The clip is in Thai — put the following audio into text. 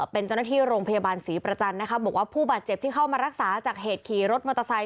เป็นเจ้าหน้าที่โรงพยาบาลศรีประจันทร์นะคะบอกว่าผู้บาดเจ็บที่เข้ามารักษาจากเหตุขี่รถมอเตอร์ไซค